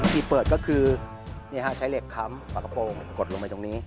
ที่เปิดก็คือใช้เหล็กค้ำฝากระโปรงกดลงไปตรงนี้